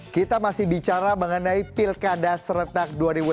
kita masih bicara mengenai pilkada serentak dua ribu delapan belas